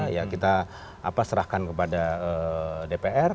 ya kita serahkan kepada dpr